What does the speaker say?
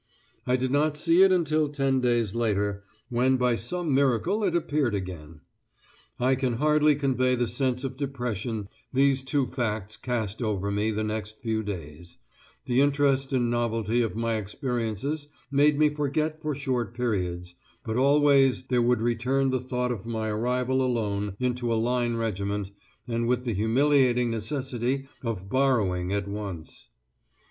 I did not see it until ten days later, when by some miracle it appeared again! I can hardly convey the sense of depression these two facts cast over me the next few days; the interest and novelty of my experiences made me forget for short periods, but always there would return the thought of my arrival alone into a line regiment, and with the humiliating necessity of borrowing at once.